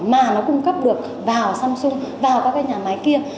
mà nó cung cấp được vào samsung vào các cái nhà máy kia